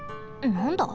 なんだ？